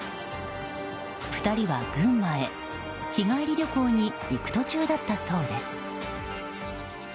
２人は、群馬へ日帰り旅行に行く途中だったそうです。